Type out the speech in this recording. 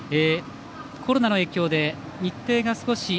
コロナの影響で日程が少し。